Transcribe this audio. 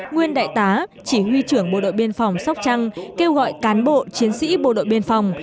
nguyên đại tá chỉ huy trưởng bộ đội biên phòng sóc trăng kêu gọi cán bộ chiến sĩ bộ đội biên phòng